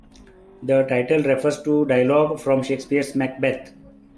The title refers to dialogue from Shakespeare's "Macbeth".